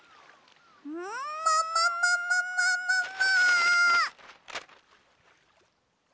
ももももももも！